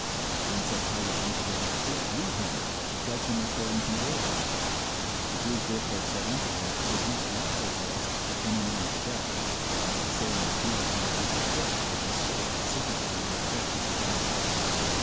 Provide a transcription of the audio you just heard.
Then said Pilate unto them, Take ye him, and judge him according to your law. The Jews therefore said unto him, It is not lawful for us to put any man to death: that the saying of Jesus might be fulfilled, which he spake, signifying what death he should die.